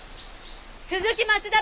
鈴木松田